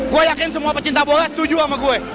gue yakin semua pecinta bola setuju sama gue